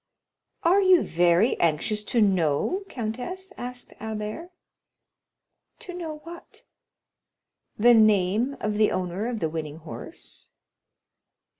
"Are you very anxious to know, countess?" asked Albert. "To know what?" "The name of the owner of the winning horse?"